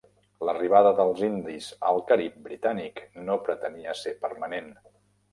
L'arribada dels indis al Carib britànic no pretenia ser permanent.